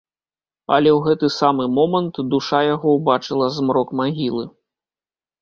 Але ў гэты самы момант душа яго ўбачыла змрок магілы.